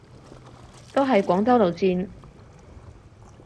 都係廣州路線